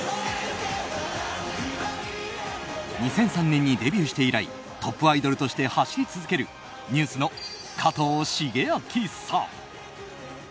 ２００３年にデビューして以来トップアイドルとして走り続けるＮＥＷＳの加藤シゲアキさん。